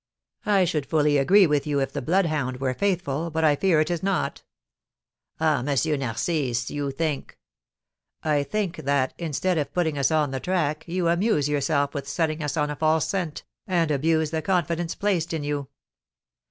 "I should fully agree with you if the bloodhound were faithful, but I fear it is not." "Ah, M. Narcisse, you think " "I think that, instead of putting us on the track, you amuse yourself with setting us on a false scent, and abuse the confidence placed in you.